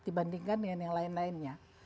dibandingkan dengan yang lain lainnya